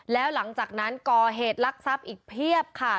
แล้วหลังจากนั้นก่อเหตุลักษัพอีกเพียบค่ะ